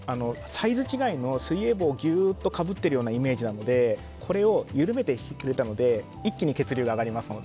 サイズ違いの水泳帽をぎゅーっとかぶっているようなイメージなのでこれを緩めたので一気に血流が上がってるので。